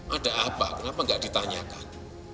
ada apa kenapa nggak ditanyakan